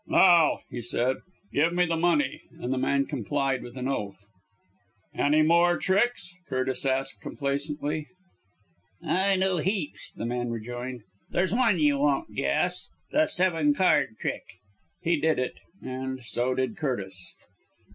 "Now," he said, "give me the money," and the man complied with an oath. "Any more tricks?" Curtis asked complacently. "I know heaps," the man rejoined. "There's one you won't guess the seven card trick." He did it. And so did Curtis.